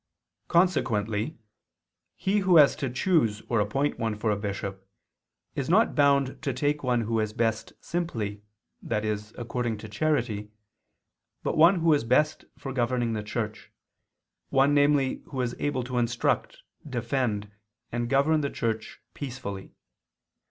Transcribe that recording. Consequently he who has to choose or appoint one for a bishop is not bound to take one who is best simply, i.e. according to charity, but one who is best for governing the Church, one namely who is able to instruct, defend, and govern the Church peacefully.